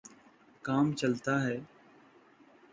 کام چلتا ہے۔